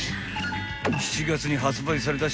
［７月に発売された］